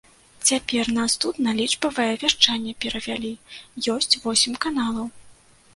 Цяпер нас тут на лічбавае вяшчанне перавялі, ёсць восем каналаў.